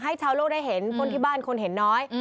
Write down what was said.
ชาวโลกได้เห็นคนที่บ้านคนเห็นน้อย